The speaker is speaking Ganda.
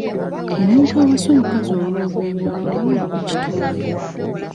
Omuntu awasa omukazi olw'obwongo bwe aba ali ku kituufu.